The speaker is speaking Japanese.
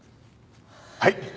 はい。